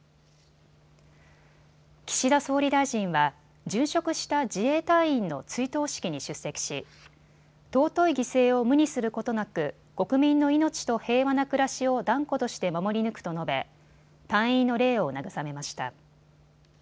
岸田総理大臣は殉職した自衛隊員の追悼式に出席し尊い犠牲を無にすることなく国民の命と平和な暮らしを断固として守り抜くと述べ隊員の霊を慰めました。